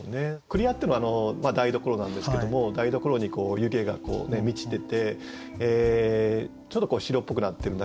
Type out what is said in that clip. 厨っていうのは台所なんですけども台所に湯気が満ちててちょっと白っぽくなってるんだけども